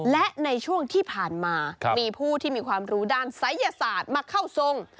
และในช่วงที่ผ่านมามีผู้ที่มีความรู้ด้านศัยศาสตร์มาเข้าทรง